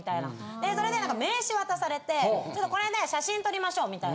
でそれで何か名刺渡されてちょっとこの辺で写真撮りましょうみたいな。